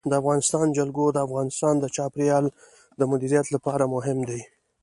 د افغانستان جلکو د افغانستان د چاپیریال د مدیریت لپاره مهم دي.